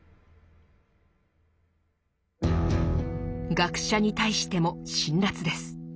学者に対しても辛辣です。